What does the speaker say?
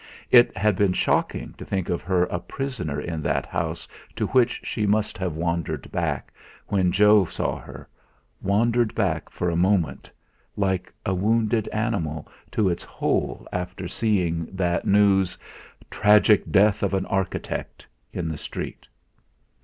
It had been shocking to think of her a prisoner in that house to which she must have wandered back, when Jo saw her, wandered back for a moment like a wounded animal to its hole after seeing that news, 'Tragic death of an Architect,' in the street.